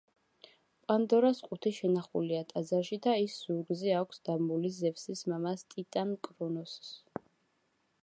პანდორას ყუთი შენახულია ტაძარში და ის ზურგზე აქვს დაბმული ზევსის მამას, ტიტან კრონოსს.